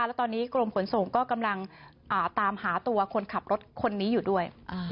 แล้วตอนนี้กรมขนส่งก็กำลังตามหาตัวคนขับรถคนนี้อยู่ด้วย